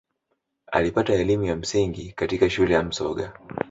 alipata elimu ya msingi katika shule ya msoga